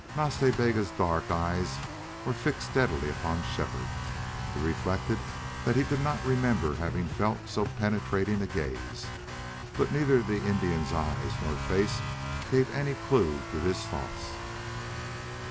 Nas Ta Bega's dark eyes were fixed steadily upon Shefford. He reflected that he could not remember having felt so penetrating a gaze. But neither the Indian's eyes nor face gave any clue to his thoughts.